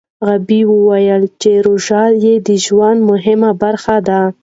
غابي وايي چې روژه یې د ژوند مهمه برخه ده.